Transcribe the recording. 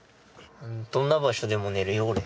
どんな場所でも寝るよ